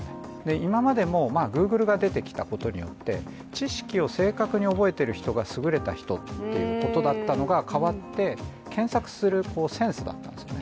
今までもＧｏｏｇｌｅが出てきたことによって知識を正確に覚えている人が優れた人ということだったのが変わって、検索するセンスだったりになりますね。